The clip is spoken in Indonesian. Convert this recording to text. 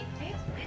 gak usah pergi